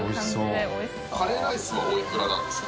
淵好織奪奸カレーライスはおいくらなんですか？